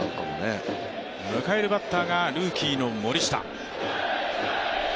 迎えるバッターがルーキーの森下。